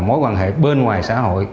mối quan hệ bên ngoài xã hội